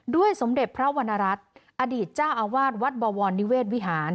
สมเด็จพระวรรณรัฐอดีตเจ้าอาวาสวัดบวรนิเวศวิหาร